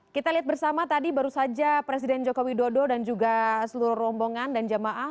kita lihat bersama tadi baru saja presiden joko widodo dan juga seluruh rombongan dan jamaah